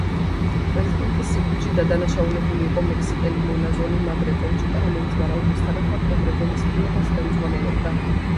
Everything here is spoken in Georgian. პრეზიდენტის სიკვდილში დადანაშაულებული იყო მექსიკელი მონაზონი, მადრე კონჩიტა, რომელიც ვარაუდის თანახმად ობრეგონის მკვლელობას ხელმძღვანელობდა.